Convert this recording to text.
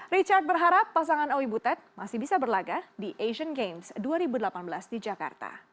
richard berharap pasangan owi butet masih bisa berlaga di asian games dua ribu delapan belas di jakarta